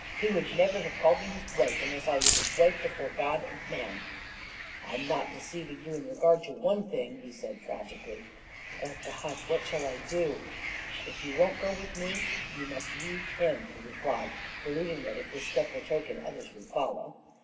He would never have called me his wife unless I was his wife before God and man." "I'm not deceiving you in regard to one thing!" he said tragically. "O God, what shall I do?" "If you won't go with me you must leave him," he replied, believing that, if this step were taken, others would follow.